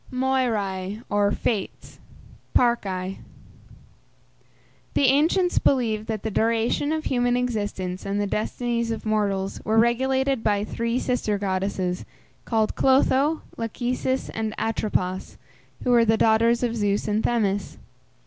MOIRÆ OR FATES (PARCÆ). The ancients believed that the duration of human existence and the destinies of mortals were regulated by three sister goddesses, called Clotho, Lachesis, and Atropos, who were the daughters of Zeus and Themis.